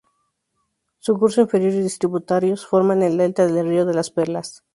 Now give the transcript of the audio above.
Su curso inferior y distributarios forman el delta del río de las Perlas.